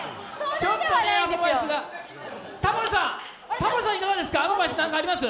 タモリさん、いかがですか、アドバイス、何かあります？